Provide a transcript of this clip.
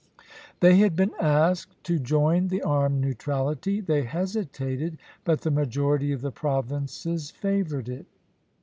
They had been asked to join the Armed Neutrality; they hesitated, but the majority of the provinces favored it.